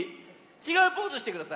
ちがうポーズしてください。